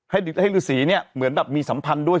ให้ฤษีเนี่ยเหมือนแบบมีสัมพันธ์ด้วย